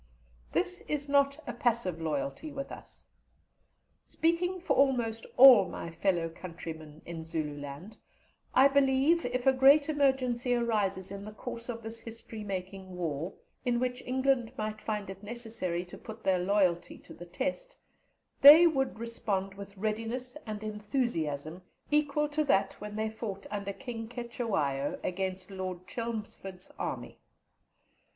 This is not a passive loyalty with us. Speaking for almost all my fellow countrymen in Zululand, I believe if a great emergency arises in the course of this history making war, in which England might find it necessary to put their loyalty to the test, they would respond with readiness and enthusiasm equal to that when they fought under King Cetewayo against Lord Chelmsford's army.